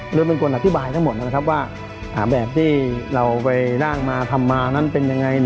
หรือเป็นคนอธิบายทั้งหมดนะครับว่าแบบที่เราไปร่างมาทำมานั้นเป็นยังไง